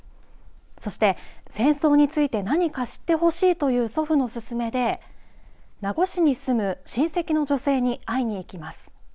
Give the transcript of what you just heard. そして戦争について何か知ってほしいという祖父の勧めで名護市に住む親戚の女性に会いに行きます。